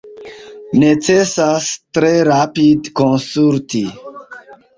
Necesas tre rapide konsulti.